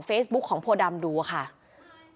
เมื่อวานหลังจากโพดำก็ไม่ได้ออกไปไหน